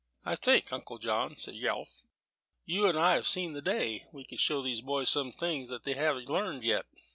"I think, Uncle Jonathan," said Yelf, "you and I have seen the day we could show these boys some things they haven't learned yet.